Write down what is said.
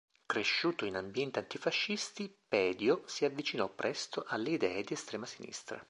Cresciuto in ambienti antifascisti, Pedio si avvicinò presto alle idee di estrema sinistra.